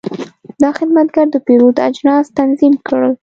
دا خدمتګر د پیرود اجناس تنظیم کړل.